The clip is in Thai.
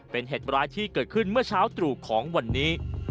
เป็นเหตุร้ายที่เกิดขึ้นเมื่อเช้าตรู่ของวันนี้